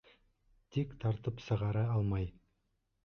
Тик тартып сығара алмай.